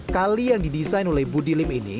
kali yang didesain oleh budi lim ini